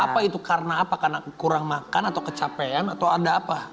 apa itu karena apa karena kurang makan atau kecapean atau ada apa